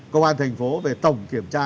công an thành phố về tổng kiểm tra